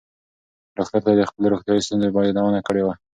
ډاکټر ته یې د خپلو روغتیایي ستونزو یادونه کړې وه.